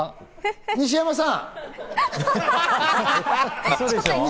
西山さん？